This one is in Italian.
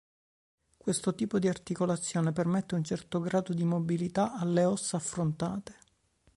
Questo tipo di articolazione permette un certo grado di mobilità alle ossa affrontate.